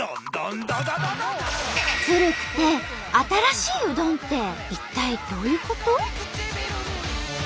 古くて新しいうどんって一体どういうこと？